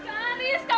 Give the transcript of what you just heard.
iya pak ya